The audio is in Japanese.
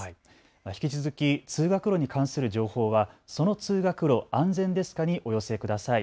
引き続き通学路に関する情報はその通学路、安全ですかにお寄せください。